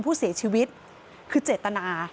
ผู้เสียชีวิตคือเจตนา